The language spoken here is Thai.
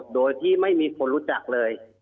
โดยที่ไม่มีคนรู้จักเลย